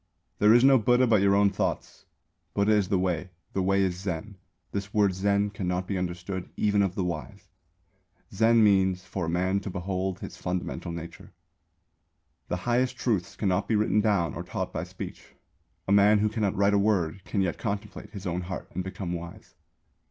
There is no Buddha but your own thoughts. Buddha is the Way. The Way is Zen. This word Zen cannot be understood even of the wise. Zen means 'for a man to behold his fundamental nature.'" Zen (Sanskrit: dhyāna) means literally "contemplation." The highest truths cannot be written down or taught by speech. A man who cannot write a word, can yet contemplate his own heart and become wise.